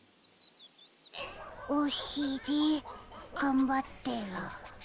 おしりがんばってる。